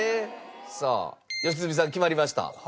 さあ良純さん決まりました。